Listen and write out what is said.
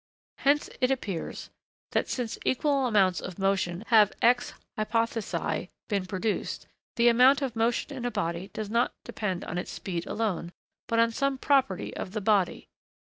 Hence, it appears, that since equal amounts of motion have, ex hypothesi, been produced, the amount of motion in a body does not depend on its speed alone, but on some property of the body.